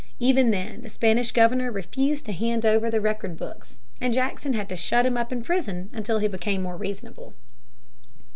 Even then the Spanish governor refused to hand over the record books, and Jackson had to shut him up in prison until he became more reasonable.